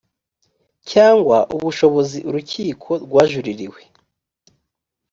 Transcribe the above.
cyangwa ubushobozi urukiko rwajuririwe